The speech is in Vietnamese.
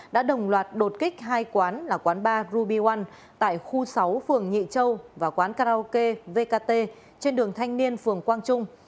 đã đồng loạt đột kích hai quán là quán bar ruby one tại khu sáu phường nhị châu và quán karaoke vkt trên đường thanh niên phường quang trung